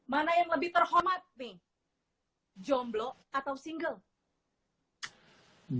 mana yang lebih terhormat nih